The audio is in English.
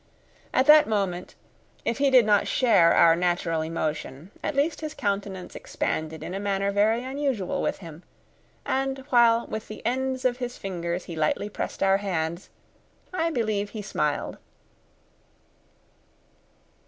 At that moment, if he did not share our natural emotion, at least his countenance expanded in a manner very unusual with him, and while with the ends of his fingers he lightly pressed our hands, I believe he smiled.